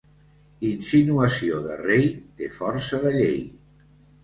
Insinuació de rei té força de llei.